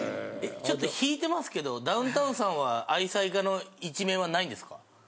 ちょっと引いてますけどダウンタウンさんは愛妻家の一面は無いんですか？